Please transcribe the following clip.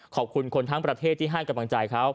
ขอบคุณคนทั้งประเทศที่ให้กำลังใจเขา